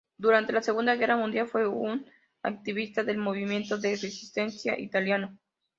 Durante la Segunda Guerra Mundial fue un activista del movimiento de resistencia italiano.